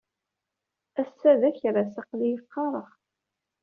Ass-a d akras. Aql-iyi qqareɣ.